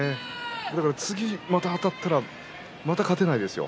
だから次またあたったらまた勝てないですよ